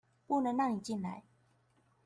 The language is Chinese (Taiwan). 不能讓你進來